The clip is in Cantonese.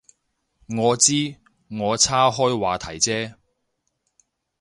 我知，我岔开话题啫